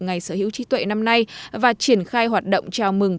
ngày sở hữu trí tuệ năm nay và triển khai hoạt động chào mừng